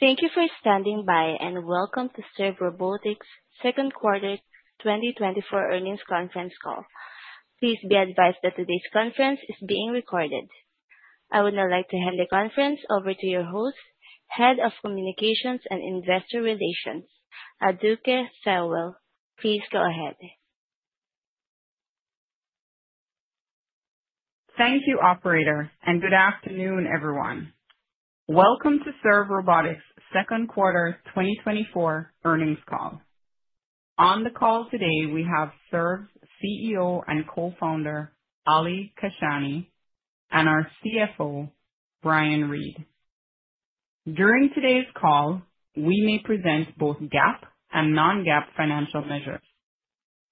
Thank you for standing by, and welcome to Serve Robotics' second quarter 2024 earnings conference call. Please be advised that today's conference is being recorded. I would now like to hand the conference over to your host, Head of Communications and Investor Relations, Aduke Thelwell. Please go ahead. Thank you, operator, and good afternoon, everyone. Welcome to Serve Robotics' second quarter 2024 earnings call. On the call today, we have Serve's CEO and co-founder, Ali Kashani, and our CFO, Brian Reed. During today's call, we may present both GAAP and non-GAAP financial measures.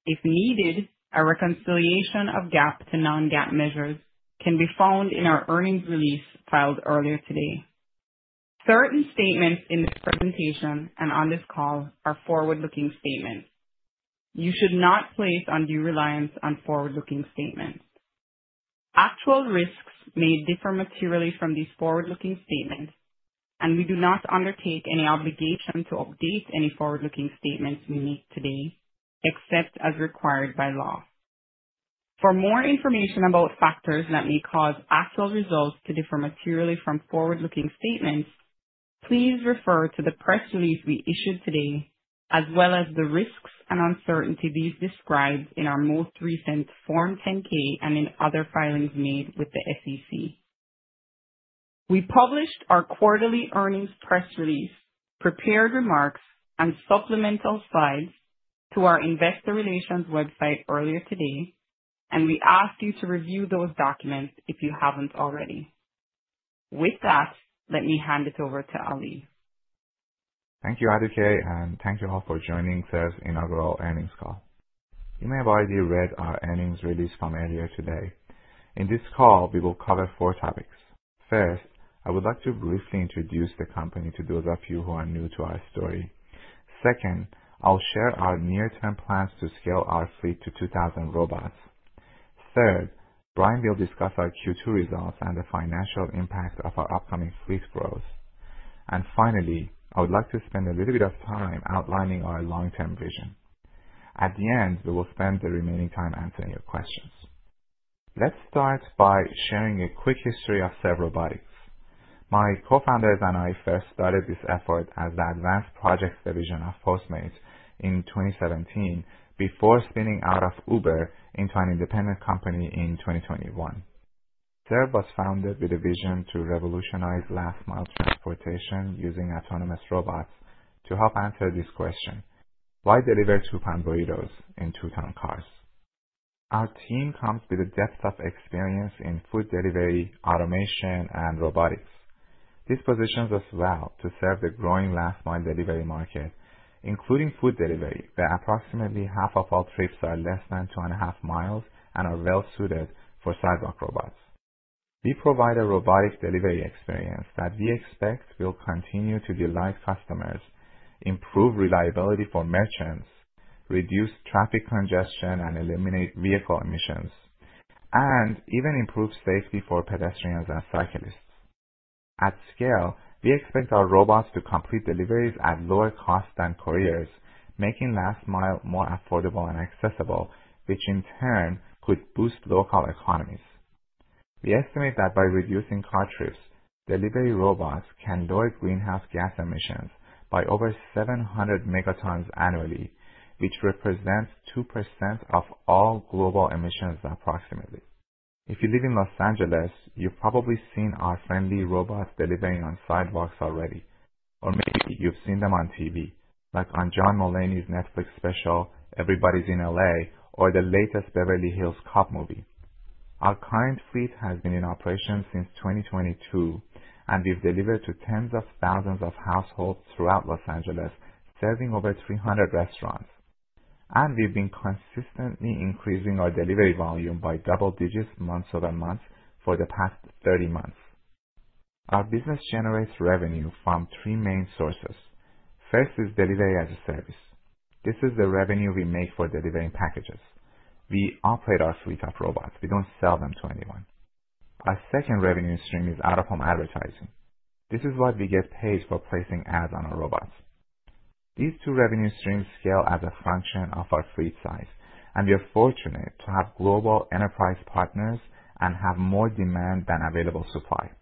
If needed, a reconciliation of GAAP to non-GAAP measures can be found in our earnings release filed earlier today. Certain statements in this presentation and on this call are forward-looking statements. You should not place undue reliance on forward-looking statements. Actual risks may differ materially from these forward-looking statements, and we do not undertake any obligation to update any forward-looking statements we make today, except as required by law. For more information about factors that may cause actual results to differ materially from forward-looking statements, please refer to the press release we issued today, as well as the risks and uncertainties we've described in our most recent Form 10-K and in other filings made with the SEC. We published our quarterly earnings press release, prepared remarks, and supplemental slides to our investor relations website earlier today, and we ask you to review those documents if you haven't already. With that, let me hand it over to Ali. Thank you, Aduke, and thank you all for joining Serve's inaugural earnings call. You may have already read our earnings release from earlier today. In this call, we will cover four topics. First, I would like to briefly introduce the company to those of you who are new to our story. Second, I'll share our near-term plans to scale our fleet to 2,000 robots. Third, Brian will discuss our Q2 results and the financial impact of our upcoming fleet growth. Finally, I would like to spend a little bit of time outlining our long-term vision. At the end, we will spend the remaining time answering your questions. Let's start by sharing a quick history of Serve Robotics. My co-founders and I first started this effort as the Advanced Projects division of Postmates in 2017 before spinning out of Uber into an independent company in 2021. Serve was founded with a vision to revolutionize last-mile transportation using autonomous robots to help answer this question: Why deliver two-pound burritos in two-ton cars? Our team comes with a depth of experience in food delivery, automation, and robotics. This positions us well to serve the growing last-mile delivery market, including food delivery, where approximately half of all trips are less than two and a half miles and are well suited for sidewalk robots. We provide a robotic delivery experience that we expect will continue to delight customers, improve reliability for merchants, reduce traffic congestion, and eliminate vehicle emissions, and even improve safety for pedestrians and cyclists. At scale, we expect our robots to complete deliveries at lower costs than couriers, making last mile more affordable and accessible, which in turn could boost local economies. We estimate that by reducing car trips, delivery robots can lower greenhouse gas emissions by over 700 megatons annually, which represents 2% of all global emissions, approximately. If you live in Los Angeles, you've probably seen our friendly robots delivering on sidewalks already. Or maybe you've seen them on TV, like on John Mulaney's Netflix special, Everybody's In LA, or the latest Beverly Hills Cop movie. Our current fleet has been in operation since 2022, and we've delivered to tens of thousands of households throughout Los Angeles, serving over 300 restaurants. And we've been consistently increasing our delivery volume by double digits, month-over-month, for the past 30 months. Our business generates revenue from 3 main sources. First is delivery as a service. This is the revenue we make for delivering packages. We operate our fleet of robots. We don't sell them to anyone. Our second revenue stream is out-of-home advertising. This is what we get paid for placing ads on our robots. These two revenue streams scale as a function of our fleet size, and we are fortunate to have global enterprise partners and have more demand than available supply.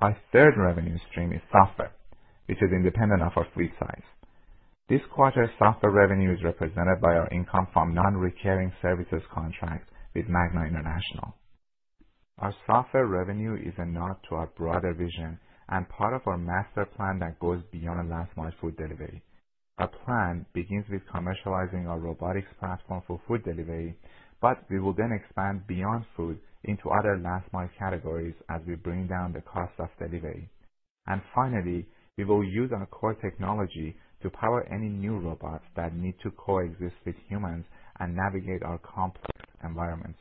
Our third revenue stream is software, which is independent of our fleet size. This quarter, software revenue is represented by our income from non-recurring services contracts with Magna International. Our software revenue is a nod to our broader vision and part of our master plan that goes beyond last-mile food delivery. Our plan begins with commercializing our robotics platform for food delivery, but we will then expand beyond food into other last-mile categories as we bring down the cost of delivery. Finally, we will use our core technology to power any new robots that need to coexist with humans and navigate our complex environments.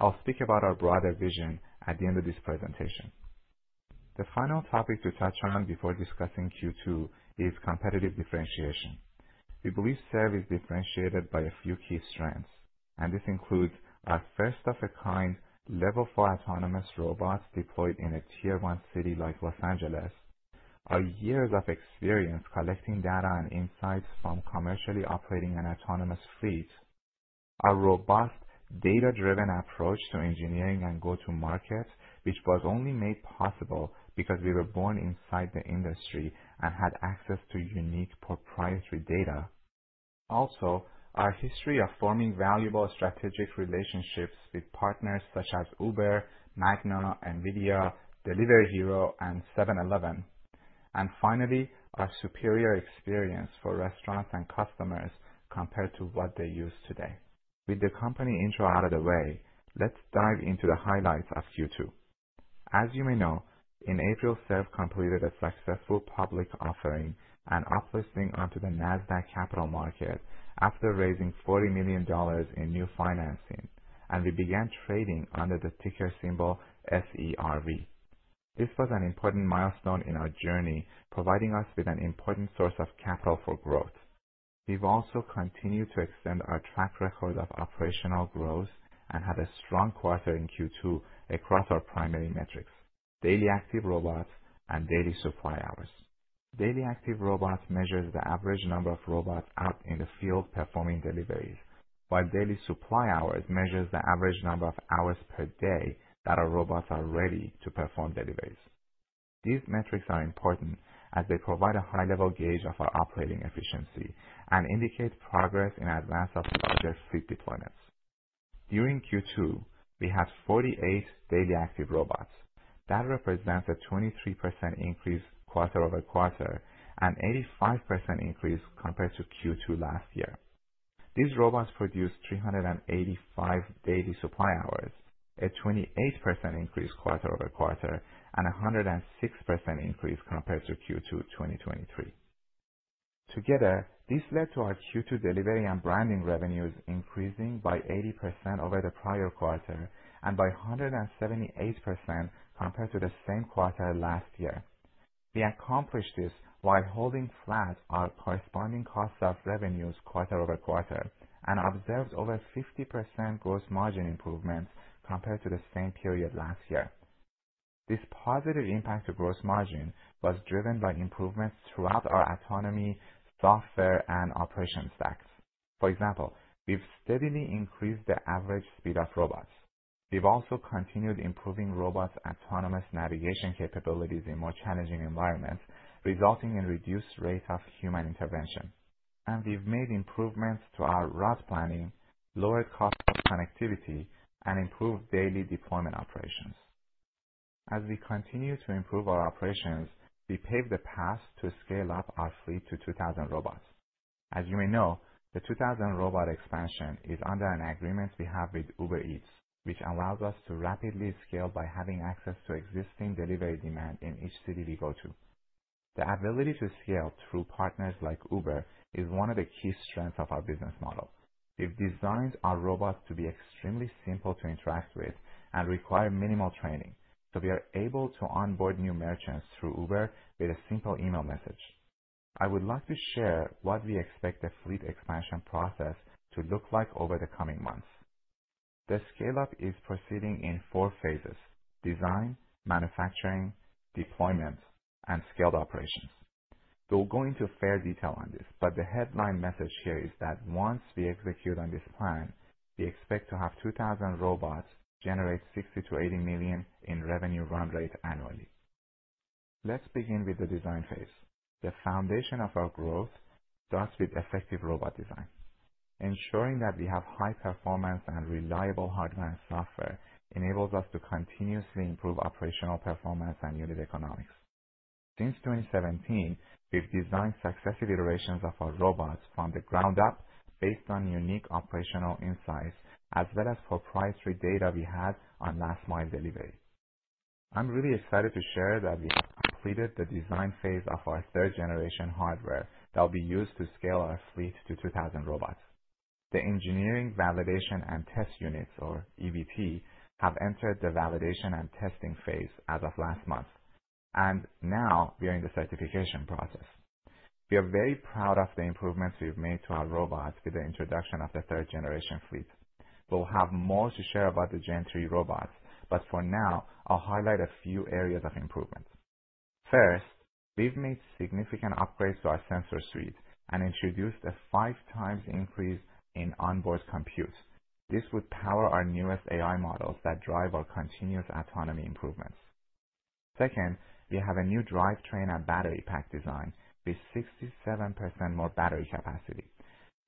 I'll speak about our broader vision at the end of this presentation. The final topic to touch on before discussing Q2 is competitive differentiation. We believe Serve is differentiated by a few key strengths, and this includes our first-of-a-kind Level 4 autonomous robots deployed in a Tier 1 city like Los Angeles. Our years of experience collecting data and insights from commercially operating an autonomous fleet. A robust, data-driven approach to engineering and go-to-market, which was only made possible because we were born inside the industry and had access to unique proprietary data. Also, our history of forming valuable strategic relationships with partners such as Uber, Magna, NVIDIA, Delivery Hero, and 7-Eleven. And finally, our superior experience for restaurants and customers compared to what they use today. With the company intro out of the way, let's dive into the highlights of Q2. As you may know, in April, Serve completed a successful public offering and uplisting onto the Nasdaq Capital Market after raising $40 million in new financing, and we began trading under the ticker symbol SERV. This was an important milestone in our journey, providing us with an important source of capital for growth. We've also continued to extend our track record of operational growth and had a strong quarter in Q2 across our primary metrics: Daily Active Robots and Daily Supply Hours. Daily Active Robots measures the average number of robots out in the field performing deliveries, while Daily Supply Hours measures the average number of hours per day that our robots are ready to perform deliveries. These metrics are important as they provide a high-level gauge of our operating efficiency and indicate progress in advance of larger fleet deployments. During Q2, we had 48 Daily Active Robots. That represents a 23% increase quarter-over-quarter and 85% increase compared to Q2 last year. These robots produced 385 Daily Supply Hours, a 28% increase quarter-over-quarter, and a 106% increase compared to Q2 2023. Together, this led to our Q2 delivery and branding revenues increasing by 80% over the prior quarter and by 178% compared to the same quarter last year. We accomplished this while holding flat our corresponding cost of revenues quarter-over-quarter and observed over 50% gross margin improvements compared to the same period last year. This positive impact to gross margin was driven by improvements throughout our autonomy, software, and operations stacks. For example, we've steadily increased the average speed of robots. We've also continued improving robots' autonomous navigation capabilities in more challenging environments, resulting in reduced rate of human intervention. We've made improvements to our route planning, lowered cost of connectivity, and improved daily deployment operations. As we continue to improve our operations, we pave the path to scale up our fleet to 2,000 robots. As you may know, the 2,000 robot expansion is under an agreement we have with Uber Eats, which allows us to rapidly scale by having access to existing delivery demand in each city we go to. The ability to scale through partners like Uber is one of the key strengths of our business model. We've designed our robots to be extremely simple to interact with and require minimal training, so we are able to onboard new merchants through Uber with a simple email message. I would like to share what we expect the fleet expansion process to look like over the coming months. The scale-up is proceeding in four phases: design, manufacturing, deployment, and scaled operations. We'll go into fair detail on this, but the headline message here is that once we execute on this plan, we expect to have 2,000 robots generate $60 million-$80 million in revenue run rate annually. Let's begin with the design phase. The foundation of our growth starts with effective robot design. Ensuring that we have high performance and reliable hardware and software enables us to continuously improve operational performance and unit economics. Since 2017, we've designed successive iterations of our robots from the ground up based on unique operational insights as well as proprietary data we had on last-mile delivery. I'm really excited to share that we have completed the design phase of our third generation hardware that will be used to scale our fleet to 2,000 robots. The engineering, validation, and test units, or EVT, have entered the validation and testing phase as of last month, and now we are in the certification process. We are very proud of the improvements we've made to our robots with the introduction of the third generation fleet. We'll have more to share about the Gen 3 robots, but for now, I'll highlight a few areas of improvement. First, we've made significant upgrades to our sensor suite and introduced a 5 times increase in onboard compute. This would power our newest AI models that drive our continuous autonomy improvements. Second, we have a new drivetrain and battery pack design with 67% more battery capacity.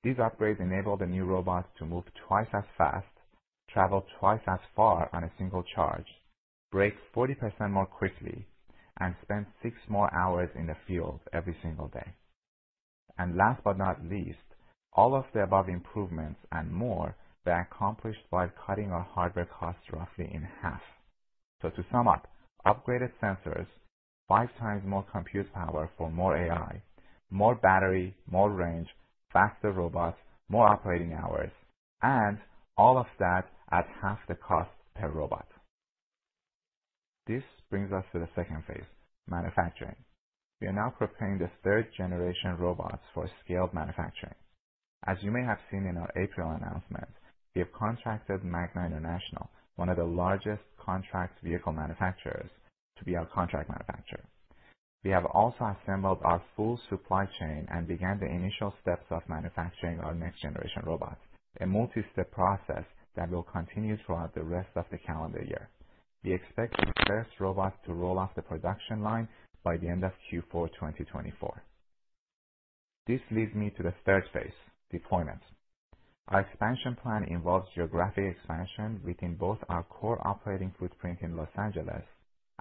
These upgrades enable the new robots to move twice as fast, travel twice as far on a single charge, brake 40% more quickly, and spend 6 more hours in the field every single day. And last but not least, all of the above improvements and more were accomplished by cutting our hardware costs roughly in half. So to sum up, upgraded sensors, 5 times more compute power for more AI, more battery, more range, faster robots, more operating hours, and all of that at half the cost per robot. This brings us to the second phase, manufacturing. We are now preparing the third generation robots for scaled manufacturing. As you may have seen in our April announcement, we have contracted Magna International, one of the largest contract vehicle manufacturers, to be our contract manufacturer. We have also assembled our full supply chain and began the initial steps of manufacturing our next generation robots, a multi-step process that will continue throughout the rest of the calendar year. We expect the first robot to roll off the production line by the end of Q4, 2024. This leads me to the third phase, deployment. Our expansion plan involves geographic expansion within both our core operating footprint in Los Angeles,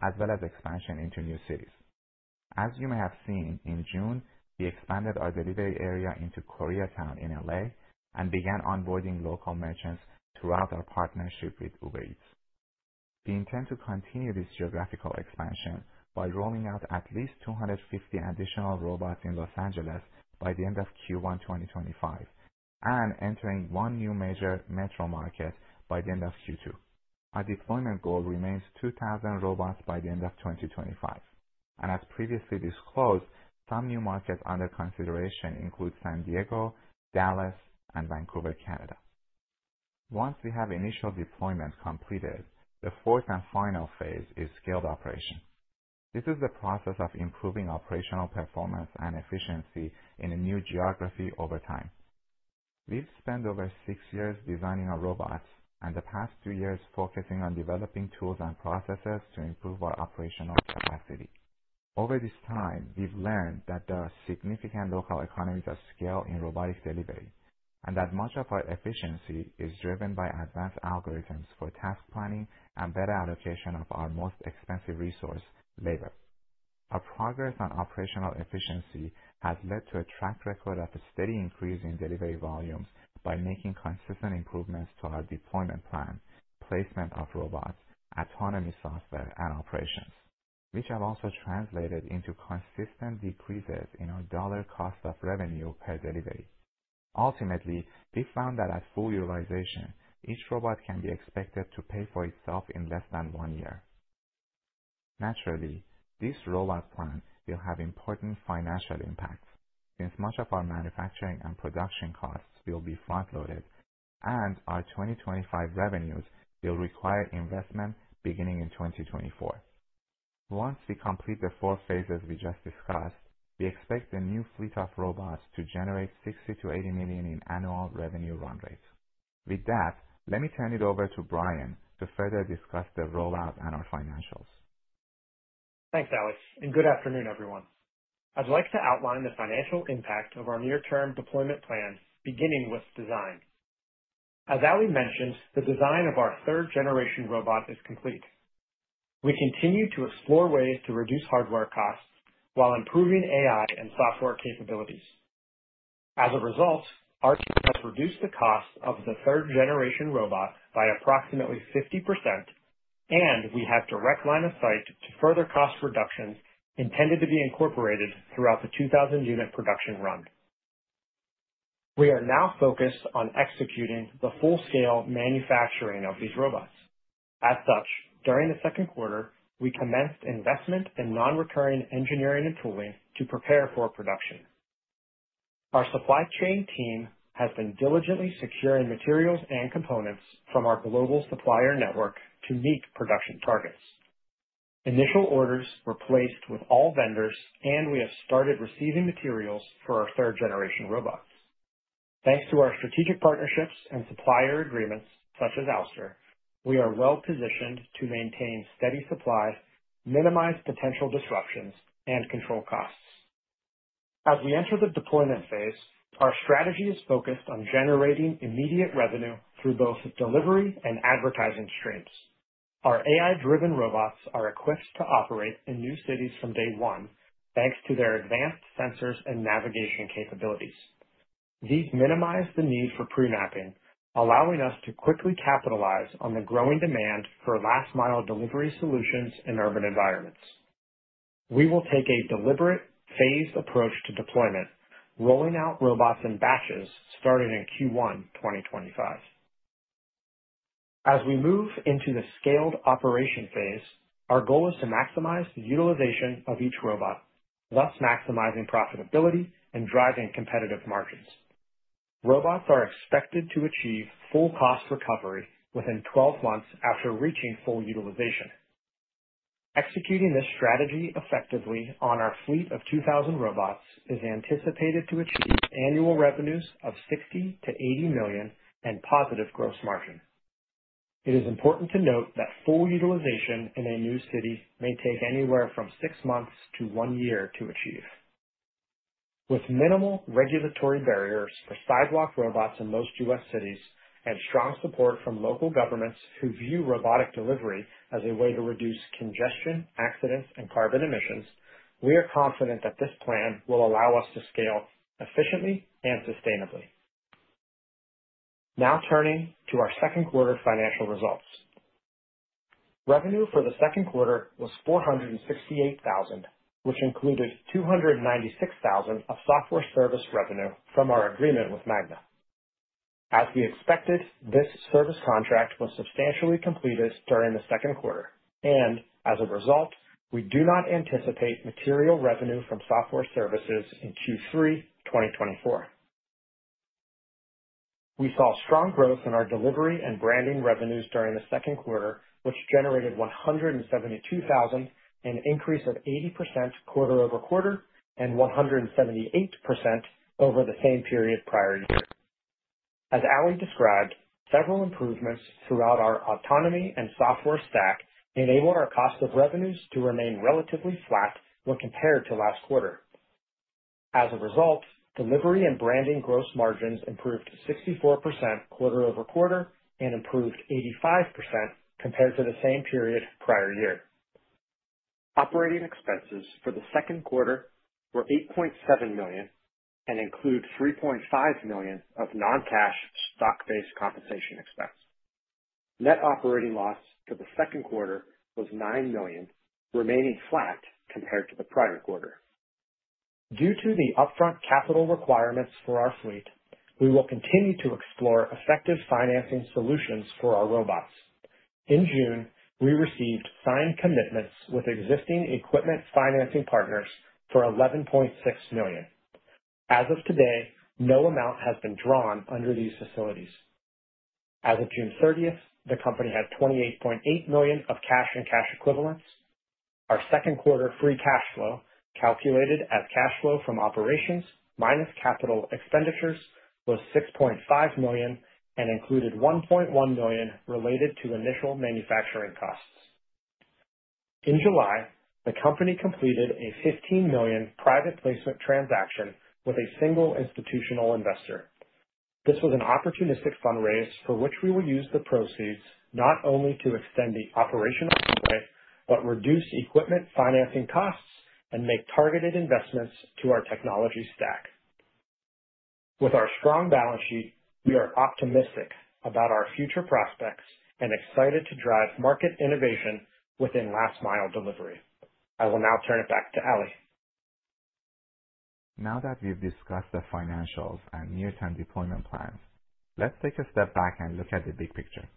as well as expansion into new cities. As you may have seen, in June, we expanded our delivery area into Koreatown in L.A. and began onboarding local merchants throughout our partnership with Uber Eats. We intend to continue this geographical expansion by rolling out at least 250 additional robots in Los Angeles by the end of Q1 2025, and entering one new major metro market by the end of Q2. Our deployment goal remains 2,000 robots by the end of 2025, and as previously disclosed, some new markets under consideration include San Diego, Dallas, and Vancouver, Canada. Once we have initial deployment completed, the fourth and final phase is scaled operation. This is the process of improving operational performance and efficiency in a new geography over time. We've spent over six years designing our robots and the past two years focusing on developing tools and processes to improve our operational capacity. Over this time, we've learned that there are significant local economies of scale in robotic delivery, and that much of our efficiency is driven by advanced algorithms for task planning and better allocation of our most expensive resource, labor. Our progress on operational efficiency has led to a track record of a steady increase in delivery volumes by making consistent improvements to our deployment plan, placement of robots, autonomy, software, and operations, which have also translated into consistent decreases in our dollar cost of revenue per delivery. Ultimately, we found that at full utilization, each robot can be expected to pay for itself in less than 1 year. Naturally, this robot plan will have important financial impacts, since much of our manufacturing and production costs will be front-loaded, and our 2025 revenues will require investment beginning in 2024. Once we complete the four phases we just discussed, we expect the new fleet of robots to generate $60 million-$80 million in annual revenue run rate. With that, let me turn it over to Brian to further discuss the rollout and our financials. Thanks, Ali, and good afternoon, everyone. I'd like to outline the financial impact of our near-term deployment plans, beginning with design. As Ali mentioned, the design of our third generation robot is complete. We continue to explore ways to reduce hardware costs while improving AI and software capabilities. As a result, our team has reduced the cost of the third generation robot by approximately 50%, and we have direct line of sight to further cost reductions intended to be incorporated throughout the 2,000-unit production run. We are now focused on executing the full-scale manufacturing of these robots. As such, during the second quarter, we commenced investment in non-recurring engineering and tooling to prepare for production. Our supply chain team has been diligently securing materials and components from our global supplier network to meet production targets. Initial orders were placed with all vendors, and we have started receiving materials for our third-generation robots. Thanks to our strategic partnerships and supplier agreements, such as Ouster, we are well positioned to maintain steady supply, minimize potential disruptions, and control costs. As we enter the deployment phase, our strategy is focused on generating immediate revenue through both delivery and advertising streams. Our AI-driven robots are equipped to operate in new cities from day one, thanks to their advanced sensors and navigation capabilities. These minimize the need for pre-mapping, allowing us to quickly capitalize on the growing demand for last-mile delivery solutions in urban environments. We will take a deliberate, phased approach to deployment, rolling out robots in batches starting in Q1 2025. As we move into the scaled operation phase, our goal is to maximize the utilization of each robot, thus maximizing profitability and driving competitive margins. Robots are expected to achieve full cost recovery within 12 months after reaching full utilization. Executing this strategy effectively on our fleet of 2,000 robots is anticipated to achieve annual revenues of $60 million-$80 million and positive gross margin. It is important to note that full utilization in a new city may take anywhere from 6 months to 1 year to achieve. With minimal regulatory barriers for sidewalk robots in most U.S. cities and strong support from local governments who view robotic delivery as a way to reduce congestion, accidents, and carbon emissions, we are confident that this plan will allow us to scale efficiently and sustainably. Now, turning to our second quarter financial results. Revenue for the second quarter was $468,000, which included $296,000 of software service revenue from our agreement with Magna. As we expected, this service contract was substantially completed during the second quarter, and as a result, we do not anticipate material revenue from software services in Q3 2024. We saw strong growth in our delivery and branding revenues during the second quarter, which generated $172,000, an increase of 80% quarter-over-quarter and 178% over the same period prior year. As Ali described, several improvements throughout our autonomy and software stack enable our cost of revenues to remain relatively flat when compared to last quarter. As a result, delivery and branding gross margins improved 64% quarter-over-quarter and improved 85% compared to the same period prior year. Operating expenses for the second quarter were $8.7 million and include $3.5 million of non-cash stock-based compensation expense. Net operating loss for the second quarter was $9 million, remaining flat compared to the prior quarter. Due to the upfront capital requirements for our fleet, we will continue to explore effective financing solutions for our robots. In June, we received signed commitments with existing equipment financing partners for $11.6 million. As of today, no amount has been drawn under these facilities. As of June 30th, the company had $28.8 million of cash and cash equivalents. Our second quarter free cash flow, calculated as cash flow from operations minus capital expenditures, was $6.5 million and included $1.1 million related to initial manufacturing costs. In July, the company completed a $15 million private placement transaction with a single institutional investor. This was an opportunistic fundraise for which we will use the proceeds not only to extend the operational runway, but reduce equipment financing costs and make targeted investments to our technology stack. With our strong balance sheet, we are optimistic about our future prospects and excited to drive market innovation within last-mile delivery. I will now turn it back to Ali. Now that we've discussed the financials and near-term deployment plans, let's take a step back and look at the big picture.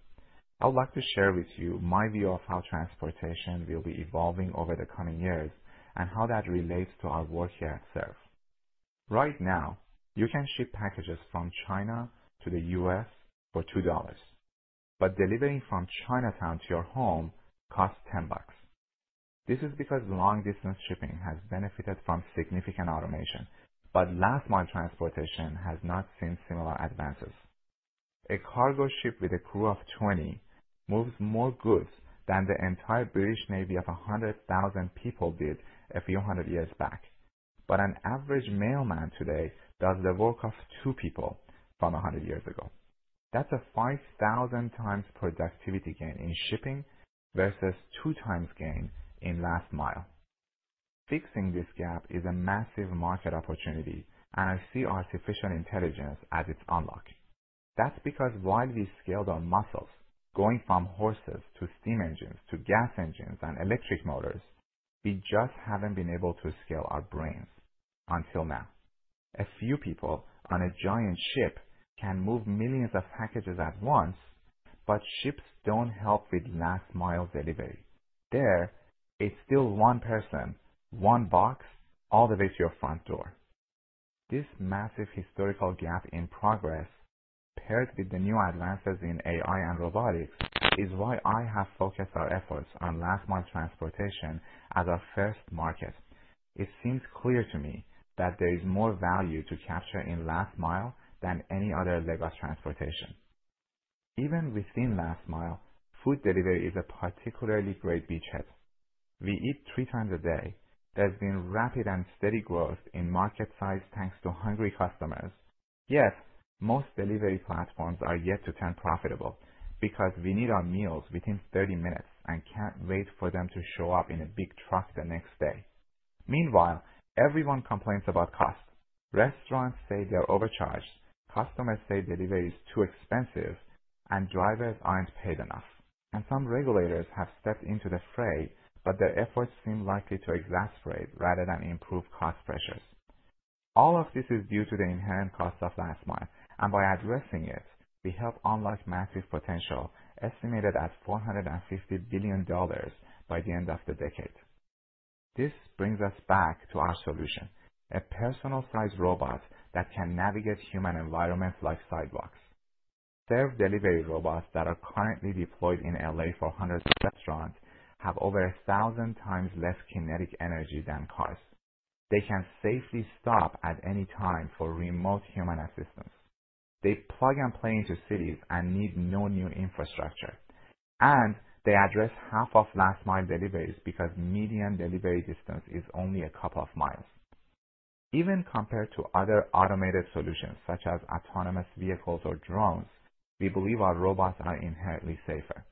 I would like to share with you my view of how transportation will be evolving over the coming years and how that relates to our work here at Serve. Right now, you can ship packages from China to the U.S. for $2, but delivering from Chinatown to your home costs $10. This is because long-distance shipping has benefited from significant automation, but last-mile transportation has not seen similar advances. A cargo ship with a crew of 20 moves more goods than the entire British Navy of 100,000 people did a few hundred years back. But an average mailman today does the work of 2 people from 100 years ago. That's a 5,000 times productivity gain in shipping versus 2 times gain in last mile. Fixing this gap is a massive market opportunity, and I see artificial intelligence as its unlock. That's because while we scaled our muscles, going from horses to steam engines to gas engines and electric motors, we just haven't been able to scale our brains until now. A few people on a giant ship can move millions of packages at once, but ships don't help with last-mile delivery. There, it's still one person, one box, all the way to your front door. This massive historical gap in progress, paired with the new advances in AI and robotics, is why I have focused our efforts on last-mile transportation as our first market. It seems clear to me that there is more value to capture in last mile than any other leg of transportation. Even within last mile, food delivery is a particularly great beachhead. We eat three times a day. There's been rapid and steady growth in market size, thanks to hungry customers. Yet, most delivery platforms are yet to turn profitable because we need our meals within 30 minutes and can't wait for them to show up in a big truck the next day. Meanwhile, everyone complains about cost. Restaurants say they are overcharged, customers say delivery is too expensive, and drivers aren't paid enough. Some regulators have stepped into the fray, but their efforts seem likely to exasperate rather than improve cost pressures. All of this is due to the inherent cost of last mile, and by addressing it, we help unlock massive potential, estimated at $450 billion by the end of the decade. This brings us back to our solution, a personal-sized robot that can navigate human environments like sidewalks. Serve delivery robots that are currently deployed in L.A. for hundreds of restaurants have over 1,000 times less kinetic energy than cars. They can safely stop at any time for remote human assistance. They plug and play into cities and need no new infrastructure, and they address half of last-mile deliveries because median delivery distance is only a couple of miles. Even compared to other automated solutions, such as autonomous vehicles or drones, we believe our robots are inherently safer.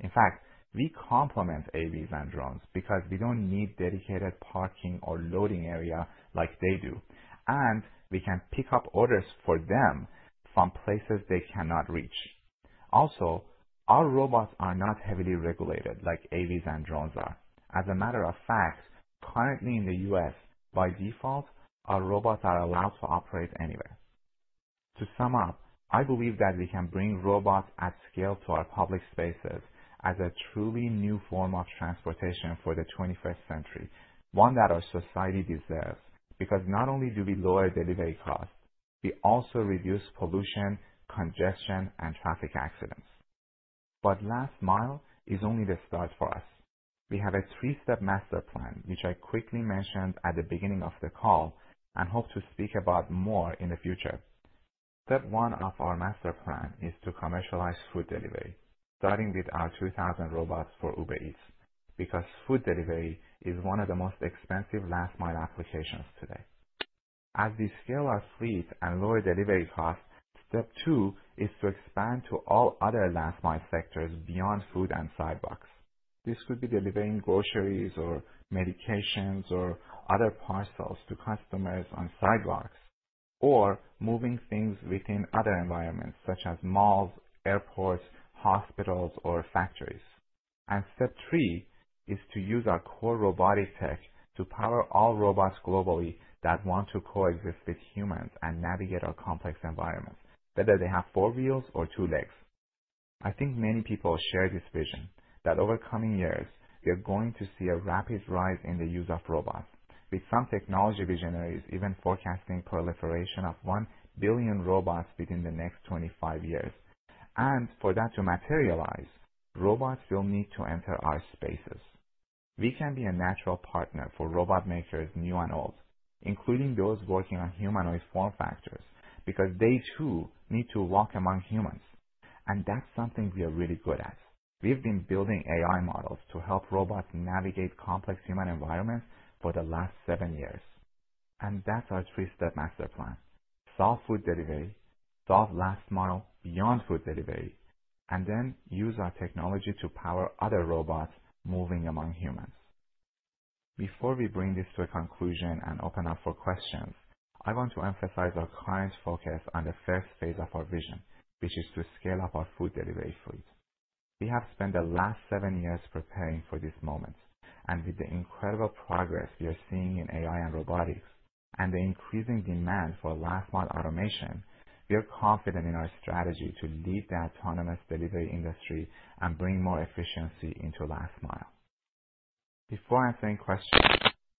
In fact, we complement AVs and drones because we don't need dedicated parking or loading area like they do, and we can pick up orders for them from places they cannot reach.... Also, our robots are not heavily regulated like AVs and drones are. As a matter of fact, currently in the U.S., by default, our robots are allowed to operate anywhere. To sum up, I believe that we can bring robots at scale to our public spaces as a truly new form of transportation for the 21st century, one that our society deserves, because not only do we lower delivery costs, we also reduce pollution, congestion, and traffic accidents. But last mile is only the start for us. We have a 3-step master plan, which I quickly mentioned at the beginning of the call and hope to speak about more in the future. Step 1 of our master plan is to commercialize food delivery, starting with our 2,000 robots for Uber Eats, because food delivery is one of the most expensive last-mile applications today. As we scale our fleet and lower delivery costs, step two is to expand to all other last mile sectors beyond food and sidewalks. This could be delivering groceries or medications or other parcels to customers on sidewalks, or moving things within other environments, such as malls, airports, hospitals, or factories. Step three is to use our core robotic tech to power all robots globally that want to coexist with humans and navigate our complex environments, whether they have four wheels or two legs. I think many people share this vision, that over coming years, we are going to see a rapid rise in the use of robots, with some technology visionaries even forecasting proliferation of 1 billion robots within the next 25 years. For that to materialize, robots will need to enter our spaces. We can be a natural partner for robot makers, new and old, including those working on humanoid form factors, because they, too, need to walk among humans, and that's something we are really good at. We've been building AI models to help robots navigate complex human environments for the last seven years, and that's our three-step master plan: solve food delivery, solve last mile beyond food delivery, and then use our technology to power other robots moving among humans. Before we bring this to a conclusion and open up for questions, I want to emphasize our current focus on the first phase of our vision, which is to scale up our food delivery fleet. We have spent the last seven years preparing for this moment, and with the incredible progress we are seeing in AI and robotics and the increasing demand for last-mile automation, we are confident in our strategy to lead the autonomous delivery industry and bring more efficiency into last mile. Before answering questions,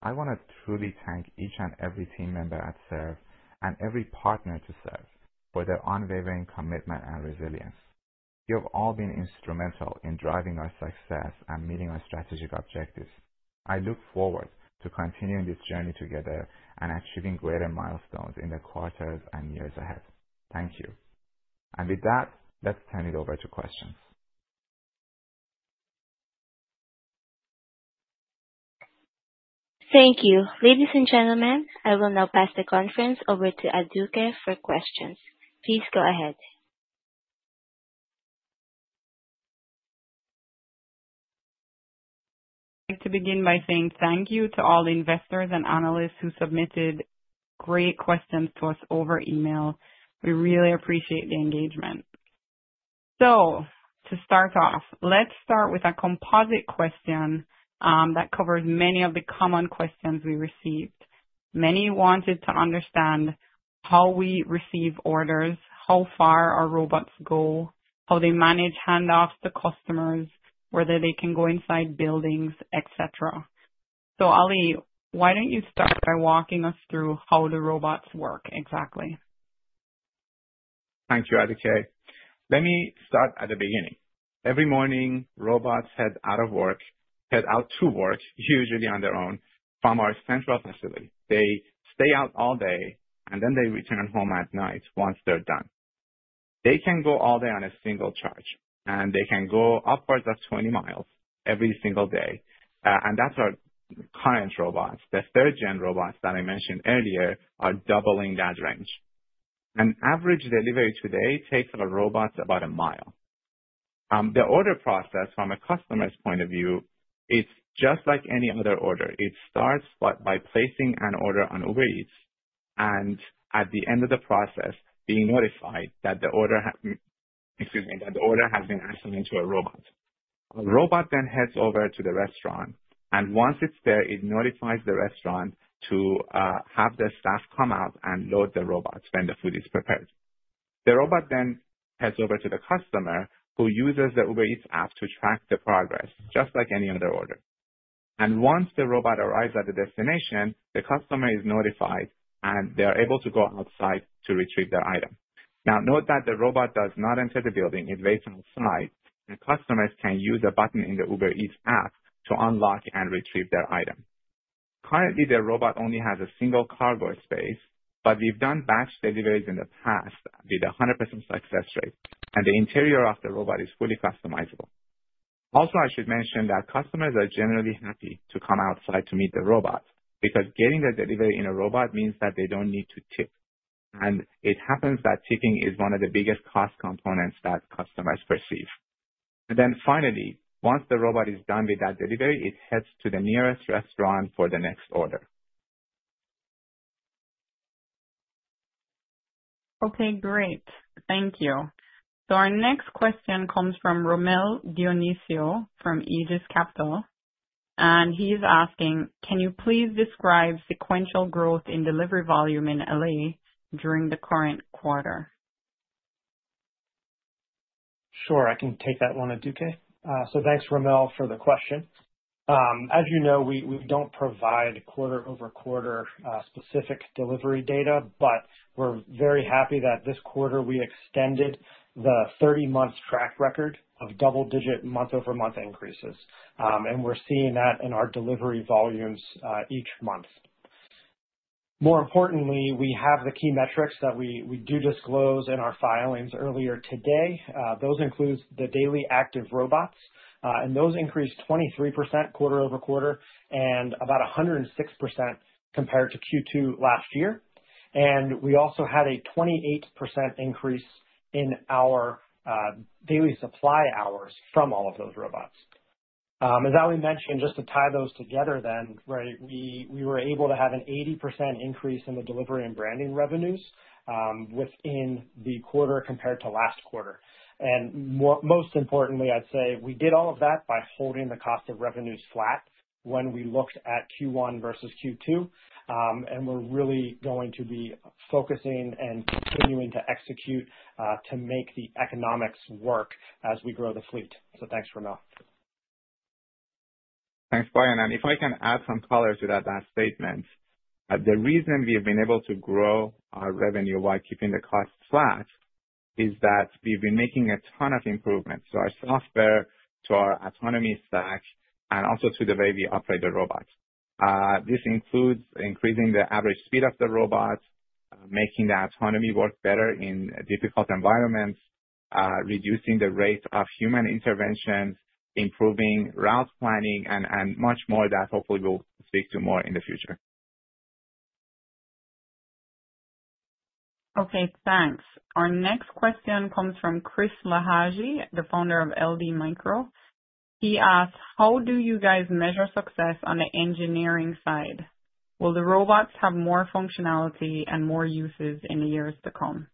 I want to truly thank each and every team member at Serve and every partner to Serve for their unwavering commitment and resilience. You have all been instrumental in driving our success and meeting our strategic objectives. I look forward to continuing this journey together and achieving greater milestones in the quarters and years ahead. Thank you. With that, let's turn it over to questions. Thank you. Ladies and gentlemen, I will now pass the conference over to Aduke for questions. Please go ahead. I'd like to begin by saying thank you to all the investors and analysts who submitted great questions to us over email. We really appreciate the engagement. So to start off, let's start with a composite question that covers many of the common questions we received. Many wanted to understand how we receive orders, how far our robots go, how they manage handoffs to customers, whether they can go inside buildings, et cetera. So Ali, why don't you start by walking us through how the robots work exactly? Thank you, Aduke. Let me start at the beginning. Every morning, robots head out of work, head out to work, usually on their own, from our central facility. They stay out all day, and then they return home at night once they're done. They can go all day on a single charge, and they can go upwards of 20 miles every single day. And that's our current robots. The third-gen robots that I mentioned earlier are doubling that range. An average delivery today takes a robot about a mile. The order process, from a customer's point of view, is just like any other order. It starts by placing an order on Uber Eats and, at the end of the process, being notified that the order has been assigned to a robot. A robot then heads over to the restaurant, and once it's there, it notifies the restaurant to have the staff come out and load the robots when the food is prepared. The robot then heads over to the customer, who uses the Uber Eats app to track the progress, just like any other order. Once the robot arrives at the destination, the customer is notified, and they are able to go outside to retrieve their item. Now, note that the robot does not enter the building. It waits outside, and customers can use a button in the Uber Eats app to unlock and retrieve their item. Currently, the robot only has a single cargo space, but we've done batch deliveries in the past with 100% success rate, and the interior of the robot is fully customizable. Also, I should mention that customers are generally happy to come outside to meet the robot, because getting their delivery in a robot means that they don't need to tip. It happens that tipping is one of the biggest cost components that customers perceive. Then finally, once the robot is done with that delivery, it heads to the nearest restaurant for the next order. Okay, great. Thank you. So our next question comes from Rommel Dionisio from Aegis Capital, and he's asking: Can you please describe sequential growth in delivery volume in L.A. during the current quarter? Sure, I can take that one, Aduke. Thanks, Rommel, for the question. As you know, we don't provide quarter-over-quarter specific delivery data, but we're very happy that this quarter we extended the 30-month track record of double-digit month-over-month increases. And we're seeing that in our delivery volumes each month. More importantly, we have the key metrics that we do disclose in our filings earlier today. Those includes the Daily Active Robots, and those increased 23% quarter-over-quarter, and about 106% compared to Q2 last year. And we also had a 28% increase in our Daily Supply Hours from all of those robots. As Ali mentioned, just to tie those together then, right, we were able to have an 80% increase in the delivery and branding revenues within the quarter compared to last quarter. Most importantly, I'd say we did all of that by holding the cost of revenues flat when we looked at Q1 versus Q2. We're really going to be focusing and continuing to execute to make the economics work as we grow the fleet. Thanks, Rommel. Thanks, Brian. And if I can add some color to that last statement. The reason we have been able to grow our revenue while keeping the cost flat is that we've been making a ton of improvements to our software, to our autonomy stack, and also to the way we operate the robots. This includes increasing the average speed of the robots, making the autonomy work better in difficult environments, reducing the rate of human interventions, improving route planning, and much more that hopefully we'll speak to more in the future. Okay, thanks. Our next question comes from Chris Lahiji, the founder of LD Micro. He asks: How do you guys measure success on the engineering side? Will the robots have more functionality and more uses in the years to come?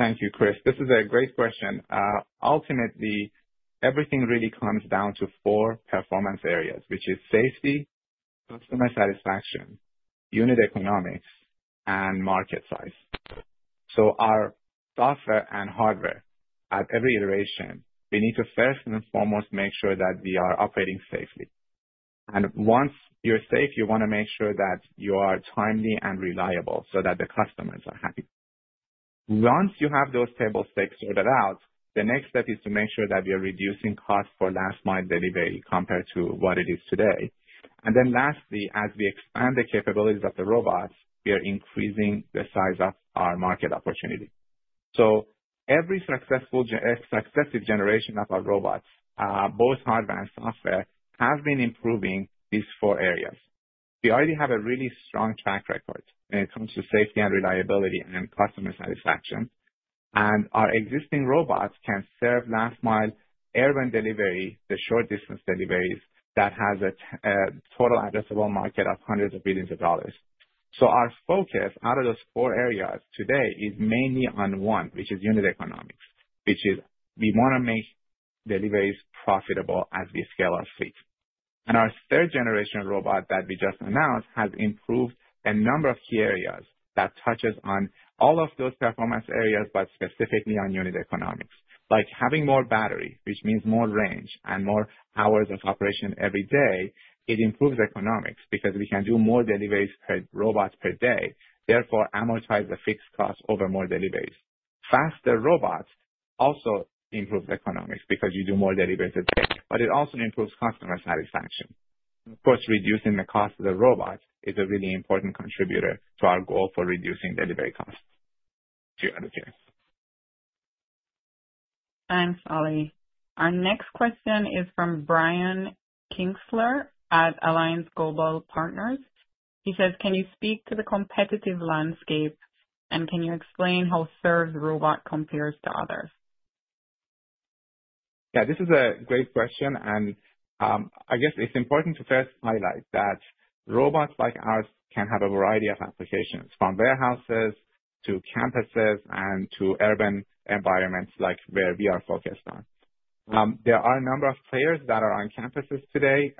Thank you, Chris. This is a great question. Ultimately, everything really comes down to four performance areas, which is safety, customer satisfaction, unit economics, and market size. So our software and hardware at every iteration, we need to first and foremost, make sure that we are operating safely. And once you're safe, you want to make sure that you are timely and reliable so that the customers are happy. Once you have those basics sorted out, the next step is to make sure that you're reducing costs for last-mile delivery compared to what it is today. And then lastly, as we expand the capabilities of the robots, we are increasing the size of our market opportunity. So every successful successive generation of our robots, both hardware and software, have been improving these four areas. We already have a really strong track record when it comes to safety and reliability and customer satisfaction. And our existing robots can serve last mile urban delivery, the short distance deliveries, that has a total addressable market of $hundreds of billions. So our focus out of those four areas today, is mainly on one, which is unit economics, which is we want to make deliveries profitable as we scale our fleet. And our third generation robot that we just announced, has improved a number of key areas that touches on all of those performance areas, but specifically on unit economics. Like having more battery, which means more range and more hours of operation every day, it improves economics because we can do more deliveries per robot per day, therefore amortize the fixed cost over more deliveries. Faster robots also improves economics because you do more deliveries a day, but it also improves customer satisfaction. Of course, reducing the cost of the robot is a really important contributor to our goal for reducing delivery costs. Cheers. Thanks, Ali. Our next question is from Brian Kinstlinger at Alliance Global Partners. He says, "Can you speak to the competitive landscape, and can you explain how Serve's robot compares to others? Yeah, this is a great question, and I guess it's important to first highlight that robots like ours can have a variety of applications, from warehouses to campuses and to urban environments like where we are focused on. There are a number of players that are on campuses today.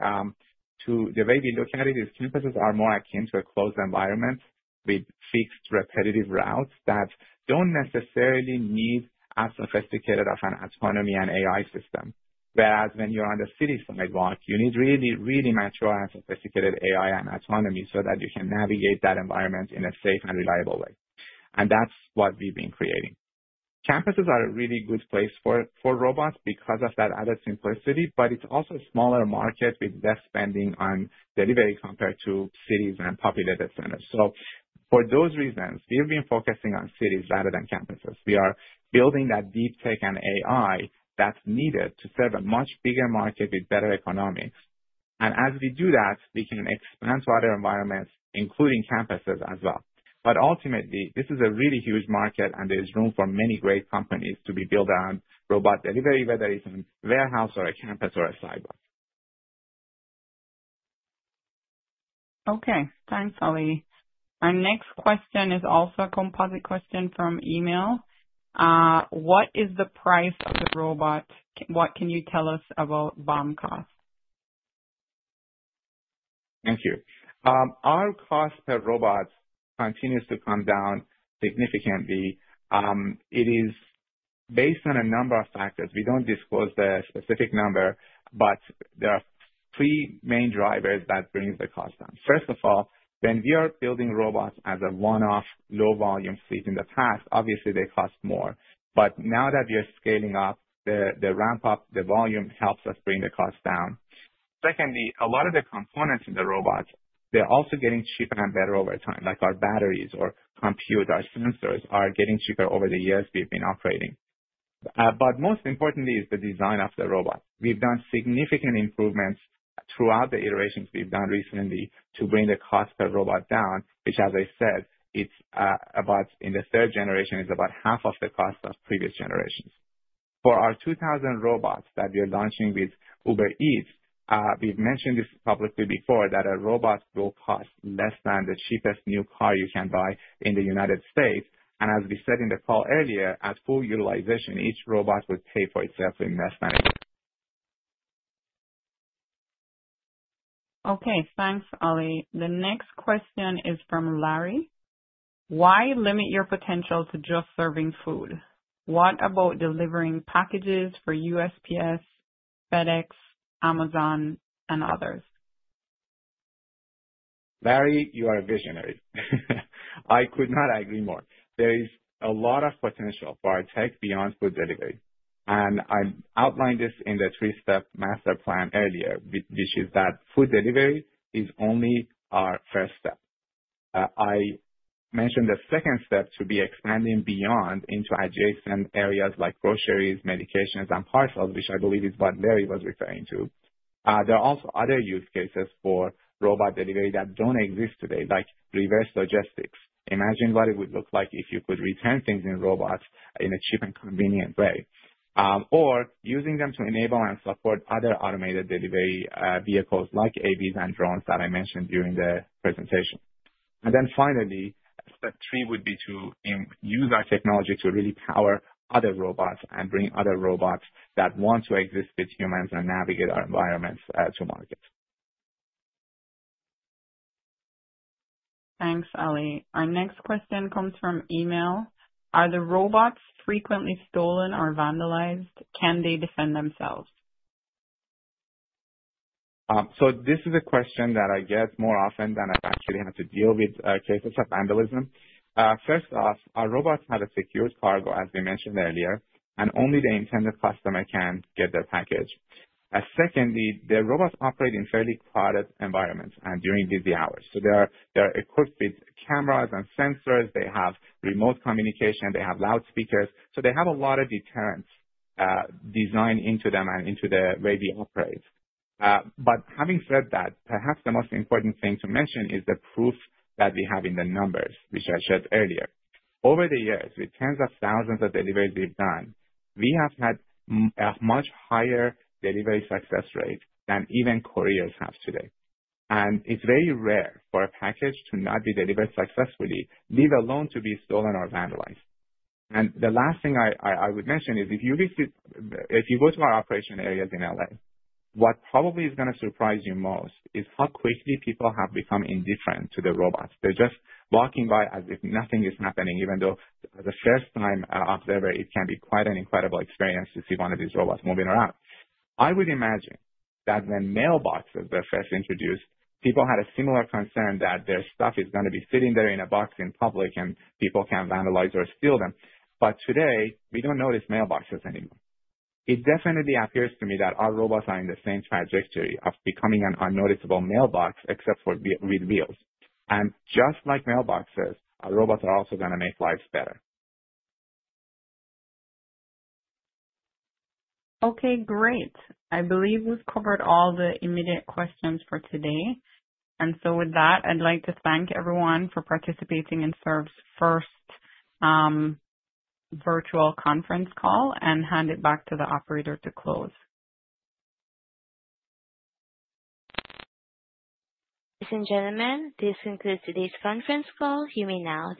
The way we look at it is campuses are more akin to a closed environment with fixed, repetitive routes that don't necessarily need as sophisticated of an autonomy and AI system. Whereas when you're on a city sidewalk, you need really, really mature and sophisticated AI and autonomy so that you can navigate that environment in a safe and reliable way. That's what we've been creating. Campuses are a really good place for robots because of that added simplicity, but it's also a smaller market with less spending on delivery compared to cities and populated centers. So for those reasons, we've been focusing on cities rather than campuses. We are building that deep tech and AI that's needed to serve a much bigger market with better economics. And as we do that, we can expand to other environments, including campuses as well. But ultimately, this is a really huge market and there is room for many great companies to be built on robot delivery, whether it's in a warehouse or a campus or a sidewalk. Okay, thanks, Ali. Our next question is also a composite question from email. What is the price of the robot? What can you tell us about BOM cost? Thank you. Our cost per robot continues to come down significantly. It is based on a number of factors. We don't disclose the specific number, but there are three main drivers that bring the cost down. First of all, when we are building robots as a one-off, low volume fleet in the past, obviously they cost more. But now that we are scaling up, the ramp up, the volume helps us bring the cost down. Secondly, a lot of the components in the robots, they're also getting cheaper and better over time, like our batteries or compute. Our sensors are getting cheaper over the years we've been operating. But most importantly is the design of the robot. We've done significant improvements throughout the iterations we've done recently to bring the cost per robot down, which, as I said, it's, about... In the third generation, is about half of the cost of previous generations. For our 2000 robots that we are launching with Uber Eats, we've mentioned this publicly before, that a robot will cost less than the cheapest new car you can buy in the United States. As we said in the call earlier, at full utilization, each robot will pay for itself in less than a year. Okay, thanks, Ali. The next question is from Larry: Why limit your potential to just serving food? What about delivering packages for USPS, FedEx, Amazon, and others? Larry, you are a visionary. I could not agree more. There is a lot of potential for our tech beyond food delivery, and I outlined this in the three-step master plan earlier, which is that food delivery is only our first step. I mentioned the second step to be expanding beyond into adjacent areas like groceries, medications, and parcels, which I believe is what Larry was referring to. There are also other use cases for robot delivery that don't exist today, like reverse logistics. Imagine what it would look like if you could return things in robots in a cheap and convenient way. Or using them to enable and support other automated delivery vehicles like AVs and drones that I mentioned during the presentation. And then finally, step three would be to use our technology to really power other robots, and bring other robots that want to exist with humans and navigate our environments, to market. Thanks, Ali. Our next question comes from email. Are the robots frequently stolen or vandalized? Can they defend themselves? So this is a question that I get more often than I've actually had to deal with cases of vandalism. First off, our robots have a secured cargo, as we mentioned earlier, and only the intended customer can get their package. Secondly, the robots operate in fairly crowded environments and during busy hours, so they are equipped with cameras and sensors. They have remote communication. They have loudspeakers. So they have a lot of deterrents designed into them and into the way they operate. But having said that, perhaps the most important thing to mention is the proof that we have in the numbers, which I showed earlier. Over the years, with tens of thousands of deliveries we've done, we have had a much higher delivery success rate than even couriers have today. It's very rare for a package to not be delivered successfully, leave alone to be stolen or vandalized. The last thing I would mention is, if you visit... If you go to our operation areas in L.A., what probably is going to surprise you most is how quickly people have become indifferent to the robots. They're just walking by as if nothing is happening, even though the first time observer, it can be quite an incredible experience to see one of these robots moving around. I would imagine that when mailboxes were first introduced, people had a similar concern that their stuff is going to be sitting there in a box in public, and people can vandalize or steal them. But today, we don't notice mailboxes anymore. It definitely appears to me that our robots are in the same trajectory of becoming an unnoticeable mailbox, except for with wheels. And just like mailboxes, our robots are also going to make lives better. Okay, great. I believe we've covered all the immediate questions for today. And so with that, I'd like to thank everyone for participating in Serve's first virtual conference call and hand it back to the operator to close. Ladies and gentlemen, this concludes today's conference call. You may now disconnect.